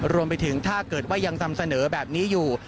รวมไปถึงถ้าเกิดว่ายังนำเสนอแบบนี้อยู่